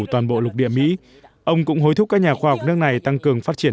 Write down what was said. toàn bộ lục địa mỹ ông cũng hối thúc các nhà khoa học nước này tăng cường phát triển